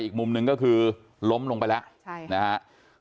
อีกมุมหนึ่งก็คือล้มลงไปแล้วนะครับ